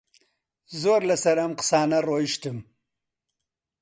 زۆر لەسەر ئەم قسانە ڕۆیشتم